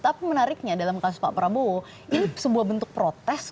tapi menariknya dalam kasus pak prabowo ini sebuah bentuk protes